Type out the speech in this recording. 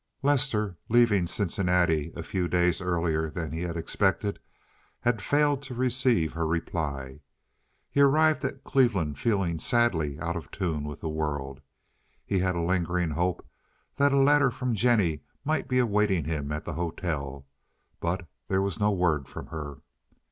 Lester, leaving Cincinnati a few days earlier than he expected, had failed to receive her reply; he arrived at Cleveland feeling sadly out of tune with the world. He had a lingering hope that a letter from Jennie might be awaiting him at the hotel, but there was no word from her.